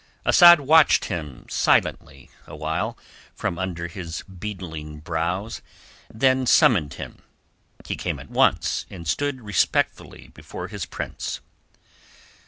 Asad watched him silently awhile from under his beetling brows, then summoned him. He came at once, and stood respectfully before his prince.